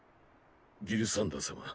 ギルサンダー様